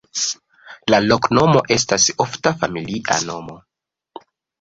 La loknomo estas ofta familia nomo.